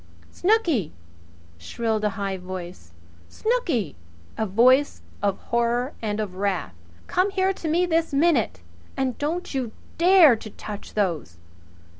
"Snooky!" shrilled a high voice. "Snooky!" A voice of horror and of wrath. "Come here to me this minute! And don't you dare to touch those!"